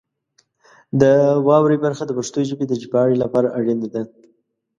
د واورئ برخه د پښتو ژبې د ژباړې لپاره اړینه ده.